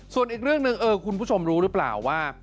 ส่วนอีกเรื่องหนึ่งคุณผู้ชมรู้หรือเปล่าว่า